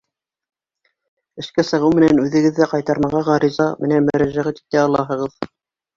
Эшкә сығыу менән үҙегеҙ ҙә ҡайтармаға ғариза менән мөрәжәғәт итә алаһығыҙ.